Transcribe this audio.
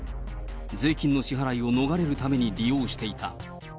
税金の支払いを逃れるために利用していた。